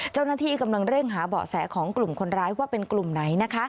เจ้าหน้าที่กำลังเร่งหาเบาะแสของกลุ่มคนร้ายว่าเป็นกลุ่มไหนนะคะ